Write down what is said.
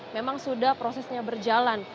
memang sudah prosesnya berjalan